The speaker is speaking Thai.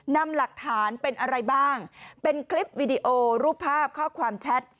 นำหลักฐานเป็นอะไรบ้างเป็นคลิปวีดีโอรูปภาพข้อความแชท